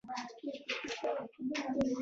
په دې کې به پخوا شراب یا نور مایعات ساتل کېدل